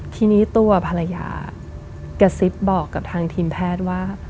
ทีนี้ตัวภรรยากระซิบบอกกับทางทีมแพทย์ว่า